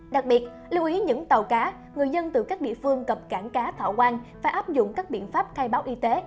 đặc biệt lưu ý những tàu cá người dân từ các địa phương cập cảng cá thọ quang phải áp dụng các biện pháp khai báo y tế